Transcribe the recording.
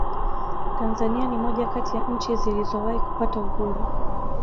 tanzania ni moja kati ya nchi zilizowahi kupata uhuru